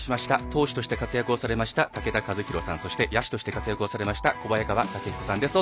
投手として活躍をされました武田一浩さんそして野手として活躍されました小早川毅彦さんです。